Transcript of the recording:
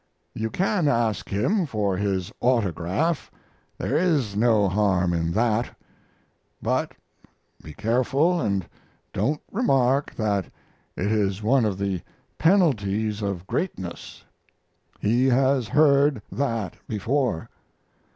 You can ask him for his autograph there is no harm in that but be careful and don't remark that it is one of the penalties of greatness. He has heard that before.